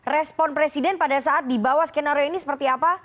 respon presiden pada saat dibawa skenario ini seperti apa